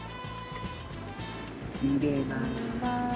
入れます。